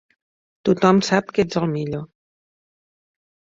Tothom sap que ets el millor.